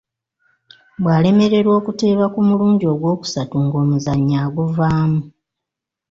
Bw’alemererwa okuteeba ku mulundi ogwokusatu ng’omuzannyo aguvaamu.